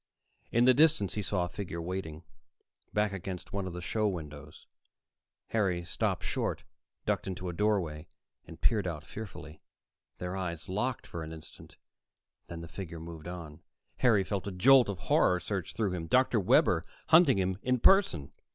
In the distance, he saw a figure waiting, back against one of the show windows. Harry stopped short, ducked into a doorway, and peered out fearfully. Their eyes locked for an instant; then the figure moved on. Harry felt a jolt of horror surge through him. Dr. Webber hunting him in person!